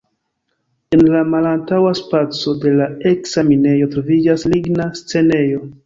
En la malantaŭa spaco de la eksa minejo troviĝas ligna scenejo.